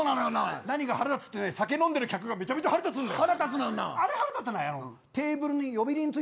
何が嫌って酒飲んでる客がめちゃくちゃいやなんだよ。